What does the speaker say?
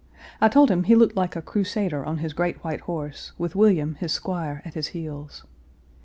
I told him he looked like a Crusader on his great white horse, with William, his squire, at his heels.